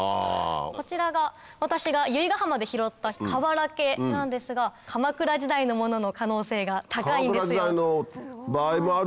こちらが私が由比ヶ浜で拾ったかわらけなんですが鎌倉時代のものの可能性が高いんですよ。